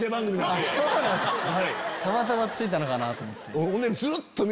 たまたまついたのかなと思った。